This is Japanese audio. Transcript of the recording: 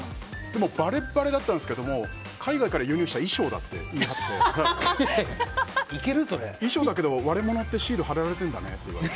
ばればれだったんですけど海外から輸入した衣装だと言い張って衣装だけど、割れ物ってシール貼られてんだねって言われて。